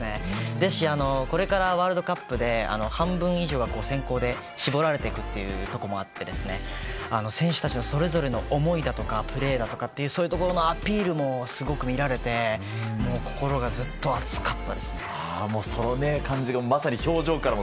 ですしこれからワールドカップで半分以上が選考で絞られていくというところもあって選手たちのそれぞれの思いだとかプレーだとかそういうところのアピールもすごく見られてその感じがまさに表情からも。